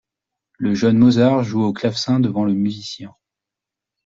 Le jeune Mozart joue au clavecin devant le musicien.